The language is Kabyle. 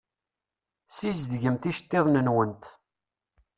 Sizdegemt iceṭṭiḍen-nwent.